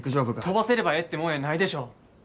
飛ばせればええってもんやないでしょ。